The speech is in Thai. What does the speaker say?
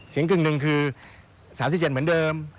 กึ่งหนึ่งคือ๓๗เหมือนเดิม